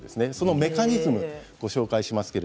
メカニズムをご紹介します。